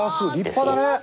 立派だね。